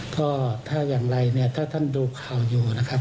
ก็ถ้าอย่างไรเนี่ยถ้าท่านดูข่าวอยู่นะครับ